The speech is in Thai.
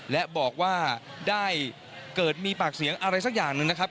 และบอกว่าได้เกิดมีปากเสียงอะไรสักอย่างหนึ่งนะครับ